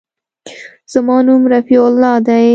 زما نوم رفيع الله دى.